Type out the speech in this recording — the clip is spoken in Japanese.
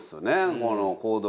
この行動力。